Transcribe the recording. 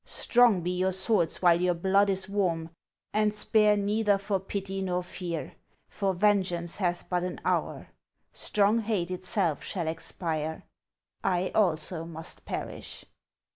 Strong be your swords while your blood is warm, And spare neither for pity nor fear, For vengeance hath but an hour ; Strong hate itself shall expire ! I also must perish